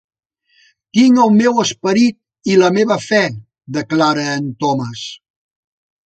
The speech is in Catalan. "Tinc el meu esperit...i la meva fe," declara en Thomas.